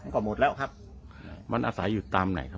ก็หมดแล้วครับมันอาศัยอยู่ตามไหนครับ